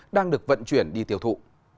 đang được vận chuyển đi tiêu thụ